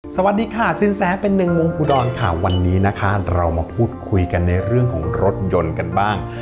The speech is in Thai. สวัสดีค่ะสินแสเป็นหนึ่งวงภูดรค่ะวันนี้นะคะเรามาพูดคุยกันในเรื่องของรถยนต์กันบ้าง